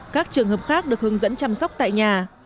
các trường hợp khác được hướng dẫn chăm sóc tại nhà